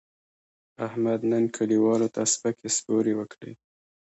احمد نن کلیوالو ته سپکې سپورې وکړې.